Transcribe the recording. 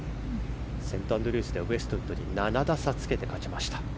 セントアンドリュースではウエストウッドに７打差をつけて勝ちました。